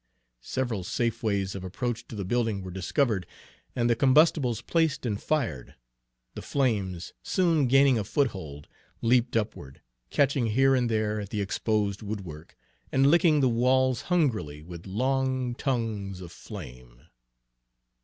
Several safe ways of approach to the building were discovered, and the combustibles placed and fired. The flames, soon gaining a foothold, leaped upward, catching here and there at the exposed woodwork, and licking the walls hungrily with long tongues of flame.